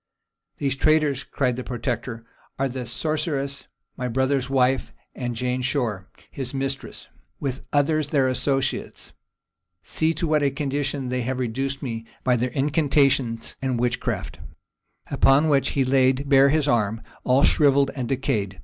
"These traitors," cried the protector, "are the sorceress, my brother's wife, and Jane Shore, his mistress, with others their associates: see to what a condition they have reduced me by their incantations and witchcraft:" upon which he laid bare his arm, all shrivelled and decayed.